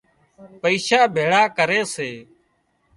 پئيشا ڀيۯا ڪري سي